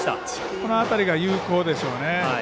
この辺りが有効でしょうね。